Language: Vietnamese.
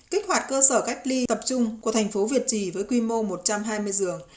kích hoạt cơ sở cách ly tập trung của thành phố việt trì với quy mô một trăm hai mươi giường